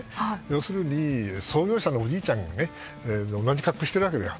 要するに創業者のおじいちゃんが同じ格好をしているわけだよ。